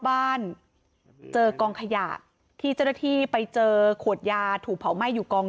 บ้านเจอกองขยะที่เจ้าหน้าที่ไปเจอขวดยาถูกเผาไหม้อยู่กอง